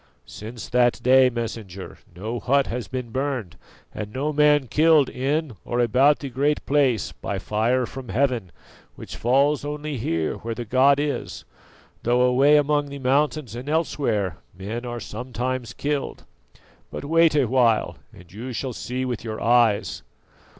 "Since that day, Messenger, no hut has been burned and no man killed in or about the Great Place by fire from heaven, which falls only here where the god is, though away among the mountains and elsewhere men are sometimes killed. But wait a while and you shall see with your eyes.